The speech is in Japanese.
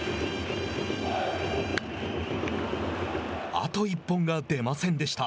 あと１本が出ませんでした。